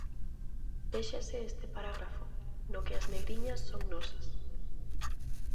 Véxase este parágrafo, no que as negriñas son nosas: